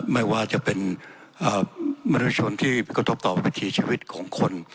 ไม่ว่าจะเป็นมนุษยชนที่กระทบต่อวิถีชีวิตของคน